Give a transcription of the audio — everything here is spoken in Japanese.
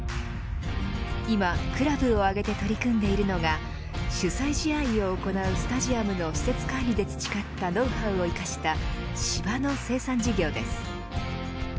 今クラブをあげて取り組んでいるのが主催試合を行うスタジアムの施設管理で培ったノウハウを生かした芝の生産事業です。